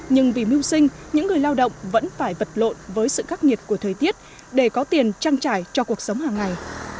nhưng vì mưu sinh những người lao động vẫn phải vật lộn với sự khắc nghiệt của thời tiết để có tiền trang trải cho cuộc sống hàng ngày